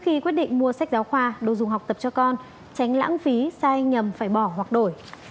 khi quyết định mua sách giáo khoa đồ dùng học tập cho con tránh lãng phí sai nhầm phải bỏ hoặc đổi